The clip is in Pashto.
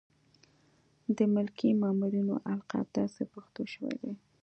د ملکي مامورینو القاب داسې پښتو شوي دي.